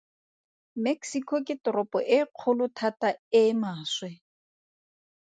Mexico ke toropo e kgolo thata e maswe.